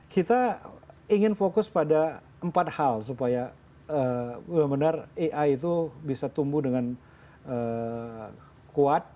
kita ingin fokus pada empat hal supaya benar benar ai itu bisa tumbuh dengan kuat